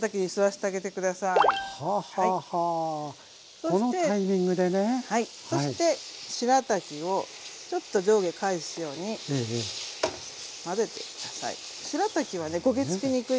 そしてしらたきをちょっと上下返すように混ぜて下さい。